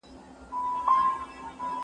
ایا مړ سړي په ډګر کي ږدن او اتڼ خوښول؟